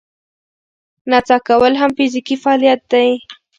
نڅا کول هم فزیکي فعالیت دی.